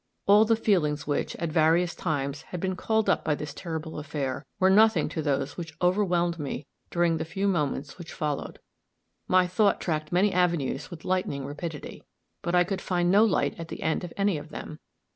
All the feelings which, at various times, had been called up by this terrible affair, were nothing to those which overwhelmed me during the few moments which followed. My thought tracked many avenues with lightning rapidity; but I could find no light at the end of any of them.